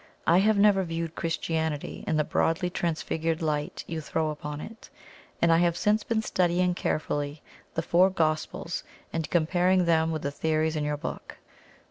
I have never viewed Christianity in the broadly transfigured light you throw upon it, and I have since been studying carefully the four Gospels and comparing them with the theories in your book.